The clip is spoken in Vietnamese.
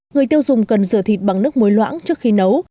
người tiêu dùng cần rửa thịt bằng nước muối loãng trước khi nấu